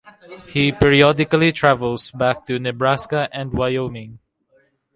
He periodically travels back to Nebraska and Wyoming.